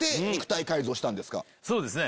そうですね。